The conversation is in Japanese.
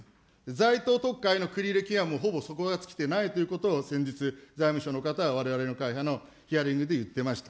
ざいとう特会の繰入金はほぼ底が尽きてないということを、先日、財務省の方はわれわれの会派のヒアリングで言っていました。